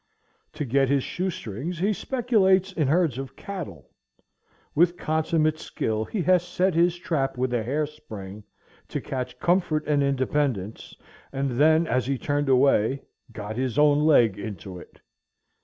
To get his shoestrings he speculates in herds of cattle. With consummate skill he has set his trap with a hair spring to catch comfort and independence, and then, as he turned away, got his own leg into it.